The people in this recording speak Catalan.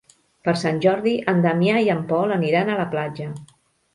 Per Sant Jordi en Damià i en Pol aniran a la platja.